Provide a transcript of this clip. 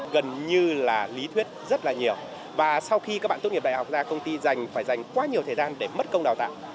gần như là lý thuyết rất là nhiều và sau khi các bạn tốt nghiệp đại học ra công ty dành phải dành quá nhiều thời gian để mất công đào tạo